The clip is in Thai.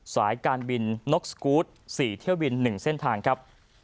สายการบินนกสกูธ๔เที่ยวบิน๑เส้นทางครับ